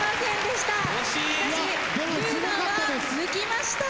しかし９番は抜きました。